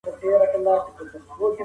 خپله ژبه، خپل کلتور.